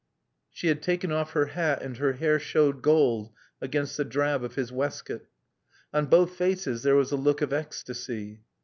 She had taken off her hat and her hair showed gold against the drab of his waist coat. On both faces there was a look of ecstasy.